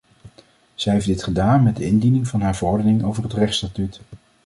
Zij heeft dit gedaan met de indiening van haar verordeningen over het rechtsstatuut.